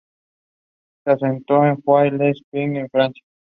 Se asentó en Juan-les-Pins, en Francia.